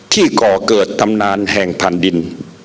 ก่อเกิดตำนานแห่งแผ่นดิน